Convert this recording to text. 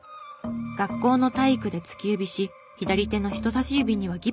学校の体育で突き指し左手の人さし指にはギプス。